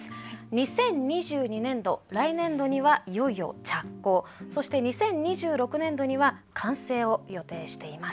２０２２年度来年度にはいよいよ着工そして２０２６年度には完成を予定しています。